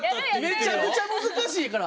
めちゃくちゃ難しいから。